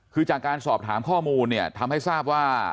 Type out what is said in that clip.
คือจากการสอบถามข้อมูลเนี่ยทำให้ทราบว่า